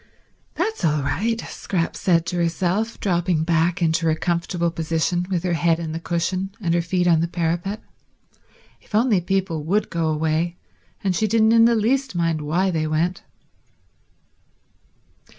"That's all right," Scrap said to herself, dropping back into her comfortable position with her head in the cushion and her feet on the parapet; if only people would go away she didn't in the least mind why they went.